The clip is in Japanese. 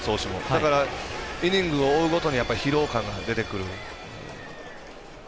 だから、イニングを追うごとに疲労感が出てくる。